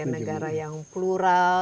negara yang plural